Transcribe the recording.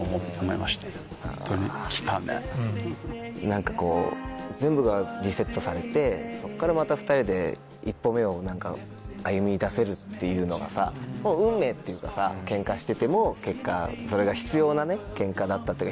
何かこう全部がリセットされてそっからまた２人で１歩目を歩みだせるっていうのがさ運命っていうかさけんかしてても結果それが。